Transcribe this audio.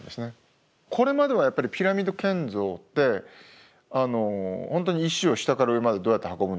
これまではやっぱりピラミッド建造って本当に石を下から上までどうやって運ぶのか。